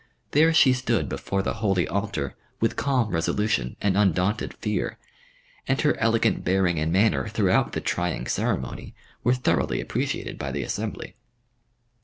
There she stood before the holy altar with calm resolution and undaunted fear, and her elegant bearing and manner throughout the trying ceremony were thoroughly appreciated by the assembly.